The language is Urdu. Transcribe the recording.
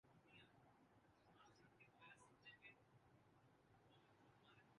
کیونکہ رنز کی ریکارڈ ساز کارکردگی نے حقیقتا خامیوں اور غلطیوں پر پردہ ڈال دیا